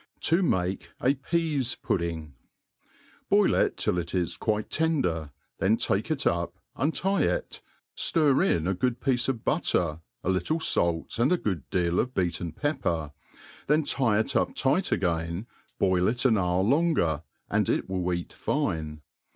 ^. To make a PeaS'Pudding. . BOIL it till it js quite tend^r^ then take it up, untie it,^^ in a eood piece of butter, a little fait, and. a ^ood deal c^rDeSl^ en pepper, then tie it up tight again, l>oiI it., ^^ hOuKlppger^ and it will eat fine.